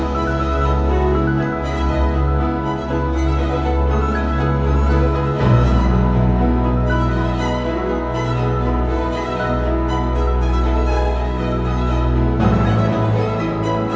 โปรดติดตามตอนต่อไป